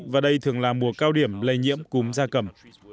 và đây thường là mùa cao điểm lây nhiễm cúm da cầm